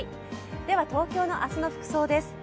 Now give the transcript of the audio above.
東京の明日の服装です。